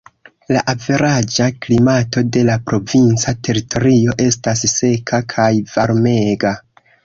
La averaĝa klimato de la provinca teritorio estas seka kaj varmega.